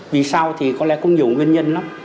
vì sao thì có lẽ cũng nhiều nguyên nhân lắm